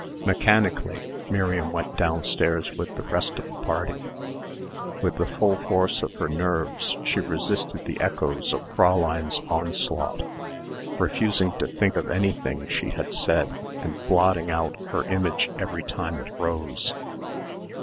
Mechanically Miriam went downstairs with the rest of the party. With the full force of her nerves she resisted the echoes of Fräulein's onslaught, refusing to think of anything she had said and blotting out her image every time it rose.